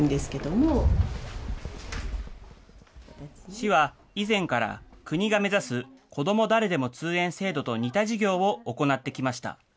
市は、以前から国が目指すこども誰でも通園制度と似た事業を行ってきました。